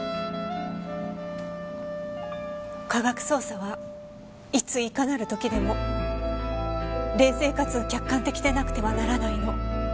科学捜査はいついかなる時でも冷静かつ客観的でなくてはならないの。